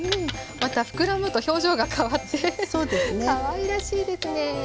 また膨らむと表情が変わってかわいらしいですね。